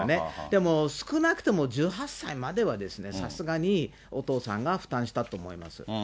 でも少なくとも１８歳までは、さすがにお父さんが負担したと思います。